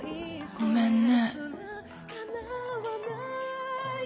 ごめんね